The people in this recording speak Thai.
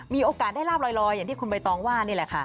มีโอกาสได้ลาบลอยอย่างที่คุณใบตองว่านี่แหละค่ะ